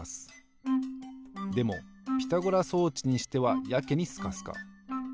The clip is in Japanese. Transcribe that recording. でもピタゴラ装置にしてはやけにスカスカ。